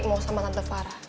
emang sama tante farah